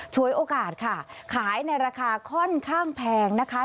ฉวยโอกาสค่ะขายในราคาค่อนข้างแพงนะคะ